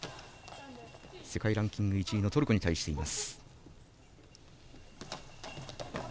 世界ランキング１位のトルコに対しています。